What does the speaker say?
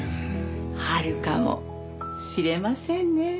春かもしれませんね。